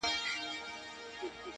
ماته زارۍ كوي چي پرېميږده ه ياره~